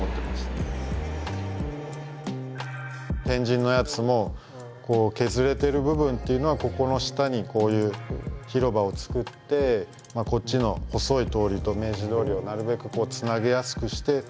天神のやつも削れてる部分っていうのはここの下にこういう広場を作ってこっちの細い通りと明治通りをなるべくつなげやすくして。